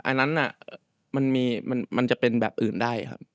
อันนั้นมันจะเป็นแบบอื่นได้ครับ